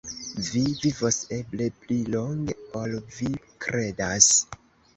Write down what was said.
Vi vivos eble pli longe, ol vi kredas.